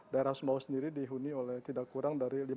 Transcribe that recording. daerah sumbawa sendiri dihuni oleh tidak kurang dari lima ratus penduduk